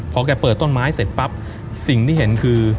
พอแกเปิดต้นไม้เสร็จปั๊บสิ่งที่เห็นคือ